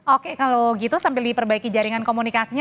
oke kalau gitu sambil diperbaiki jaringan komunikasinya